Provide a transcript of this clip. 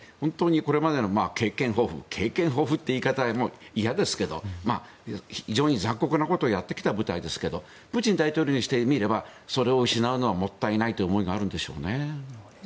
これまでの経験豊富経験豊富という言い方嫌ですけど非常に残酷なことをやってきた部隊ですがプーチン大統領にしてみればそれを失うのはもったいないという思いがあるんでしょうね。